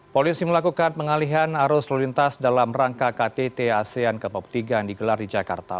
polisi melakukan pengalihan arus lalu lintas dalam rangka ktt asean ke empat puluh tiga yang digelar di jakarta